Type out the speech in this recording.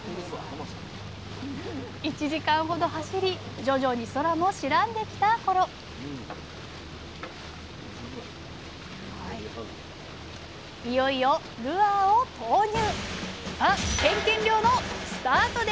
１時間ほど走り徐々に空も白んできた頃いよいよルアーを投入！